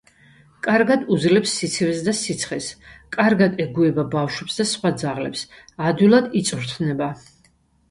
კარგად უძლებს სიცივეს და სიცხეს, კარგად ეგუება ბავშვებს და სხვა ძაღლებს, ადვილად იწვრთნება.